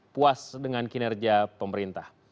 puas dengan kinerja pemerintah